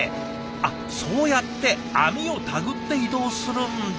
あっそうやって網を手繰って移動するんだ。